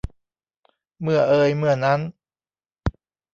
เมื่อเอยเมื่อนั้น